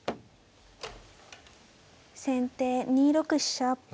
先手２六飛車。